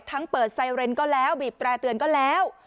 เปิดไซเรนก็แล้วบีบแตร่เตือนก็แล้ว